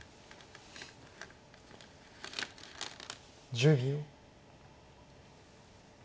１０秒。